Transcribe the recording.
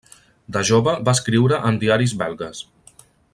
De jove va escriure en diaris belgues.